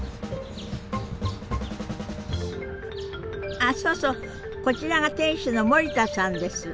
あそうそうこちらが店主の森田さんです。